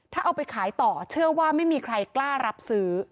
ถ้าเอาไปขายต่อเชื่อว่าไม่มีใครกล้ารับซื้อ